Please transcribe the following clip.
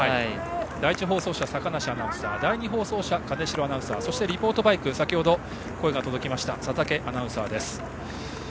第１放送車坂梨アナウンサー第２放送車、金城アナウンサーそしてリポートバイク先程、声が届きましたが佐竹アナウンサーです。